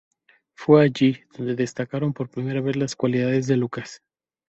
Fue allí donde destacaron por vez primera las cualidades de Lukas.